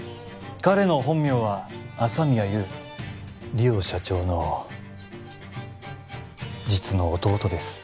彼の本名は朝宮優梨央社長の実の弟です